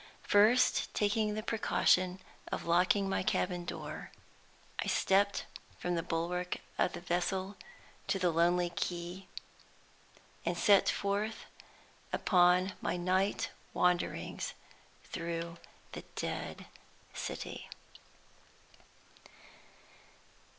First taking the precaution of locking my cabin door, I stepped from the bulwark of the vessel to the lonely quay, and set forth upon my night wanderings through the Dead City.